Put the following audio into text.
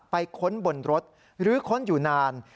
ค้นบนรถหรือค้นอยู่นาน